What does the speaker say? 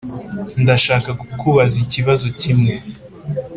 ndashaka kukubaza ikibazo kimwe.